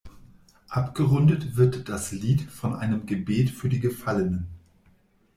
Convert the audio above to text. Abgerundet wird das Lied von einem Gebet für die Gefallenen.